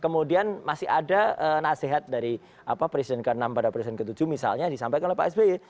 kemudian masih ada nasihat dari presiden ke enam pada presiden ke tujuh misalnya disampaikan oleh pak sby